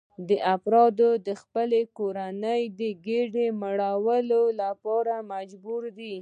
دا افراد د خپلې کورنۍ د ګېډې مړولو لپاره مجبور دي